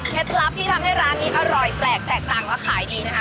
ลับที่ทำให้ร้านนี้อร่อยแปลกแตกต่างและขายดีนะคะ